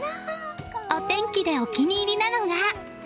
お天気でお気に入りなのが。